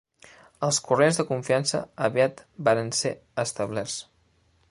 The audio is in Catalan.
Els corrents de confiança aviat varen ser establerts